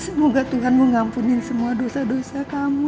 semoga tuhan mengampuni semua dosa dosa kamu